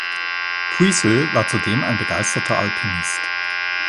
Puiseux war zudem ein begeisterter Alpinist.